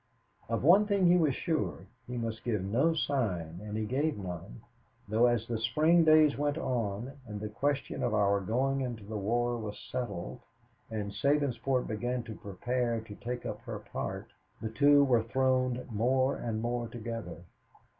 Of one thing he was sure, he must give no sign and he gave none, though as the spring days went on and the question of our going into the war was settled and Sabinsport began to prepare to take up her part, the two were thrown more and more together.